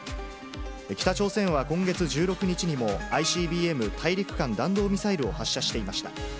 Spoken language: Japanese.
北朝鮮は今月１６日にも、ＩＣＢＭ・大陸間弾道ミサイルを発射していました。